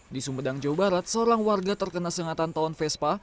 di sumedang jawa barat seorang warga terkena sengatan tawon vespa